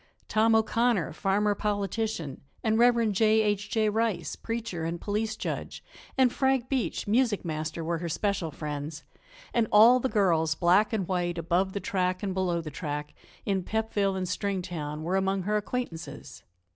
Tom O'Connor, farmer politician, and Rev. J. H. J. Rice, preacher and police judge, and Frank Beach, music master, were her special friends, and all the girls, black and white, above the track and below the track, in Pepville and Stringtown, were among her acquaintances.